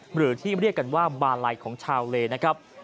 หรือที่เรียกกันว่าบาลัยของชาวเลนะครับ